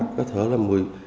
có thể là mười